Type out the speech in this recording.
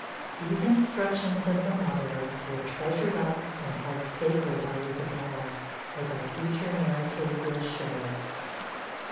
These instructions of the mother were treasured up and held sacred by Isabella, as our future narrative will show.